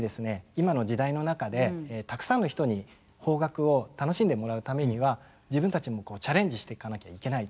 今の時代の中でたくさんの人に邦楽を楽しんでもらうためには自分たちもチャレンジしていかなきゃいけないという。